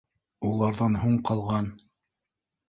Уларҙан һуң ҡалған